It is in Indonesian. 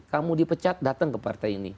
kamu dipecat datang ke partai ini